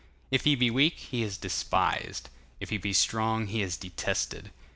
If he be weak, he is despised; if he be strong, he is detested.